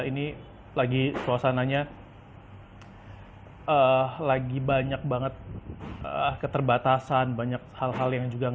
ini lagi suasananya lagi banyak banget keterbatasan banyak hal hal yang juga nggak